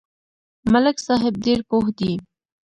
ملک صاحب ډېر پوه دی.